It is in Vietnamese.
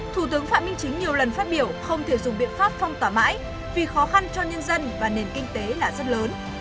thủ tướng phạm minh chính nhiều lần phát biểu không thể dùng biện pháp phong tỏa mãi vì khó khăn cho nhân dân và nền kinh tế là rất lớn